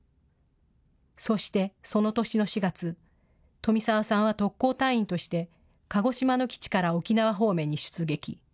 そして、その年の４月、富澤さんは特攻隊員として鹿児島の基地から沖縄方面に出撃。